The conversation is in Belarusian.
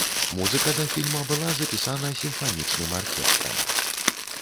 Музыка да фільма была запісана сімфанічным аркестрам.